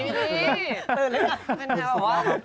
ตื่นแล้วก่อน